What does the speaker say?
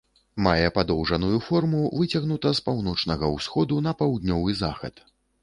Мае падоўжаную форму, выцягнута з паўночнага ўсходу на паўднёвы захад.